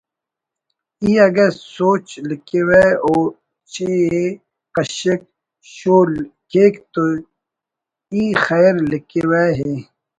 ای اگہ ”سوچ“ لکھوہ او ”چ“ ءِ کشک ”شو“ کیک تے ای ”خیر“ لکھو ہ